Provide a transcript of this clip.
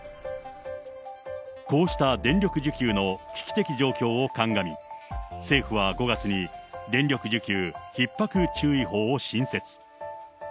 こうした電力需給の危機的状況を鑑み、政府は５月に、電力需給ひっ迫注意報を新設。